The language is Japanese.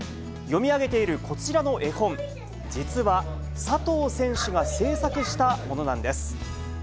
読み上げているこちらの絵本、実は佐藤選手が制作したものなんです。